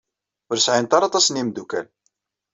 Ur sɛint ara aṭas n yimeddukal.